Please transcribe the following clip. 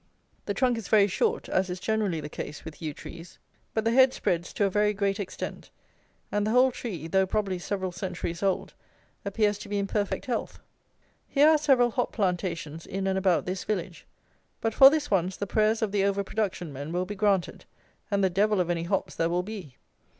The trunk is very short, as is generally the case with yew trees; but the head spreads to a very great extent, and the whole tree, though probably several centuries old, appears to be in perfect health. Here are several hop plantations in and about this village; but for this once the prayers of the over production men will be granted, and the devil of any hops there will be.